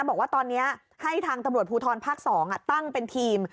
บอกว่าตอนนี้ให้ทางตำรวจภูทรภาค๒ตั้งเป็นทีม